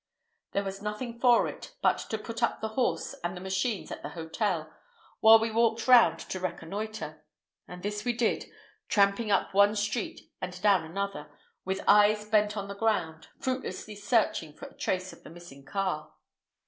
There was nothing for it but to put up the horse and the machines at the hotel, while we walked round to reconnoitre; and this we did, tramping up one street and down another, with eyes bent on the ground, fruitlessly searching for a trace of the missing car.